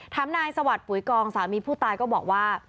นายสวัสดิ์ปุ๋ยกองสามีผู้ตายก็บอกว่า